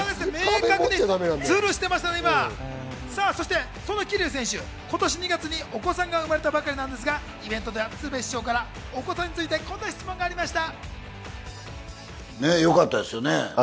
そしてそんな桐生選手、今年２月にお子さんが生まれたばかりなんですが、イベントでは鶴瓶師匠からお子さんについてこんな質問がありました。